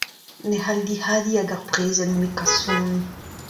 Ne c’hall dihadiñ ag ar brezel nemet kasoni.